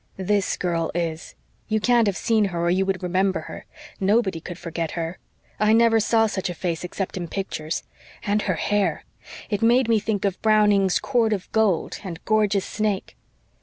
"This girl is. You can't have seen her, or you would remember her. Nobody could forget her. I never saw such a face except in pictures. And her hair! It made me think of Browning's 'cord of gold' and 'gorgeous snake'!"